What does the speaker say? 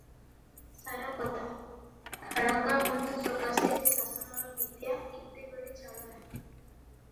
ସାରକଥା, ଖାଡ଼ଙ୍ଗାବଂଶ ସକାଶେ ଶାସନର ବିଦ୍ୟା କେତେବେଳେ ଛାଡ଼ ନାହିଁ ।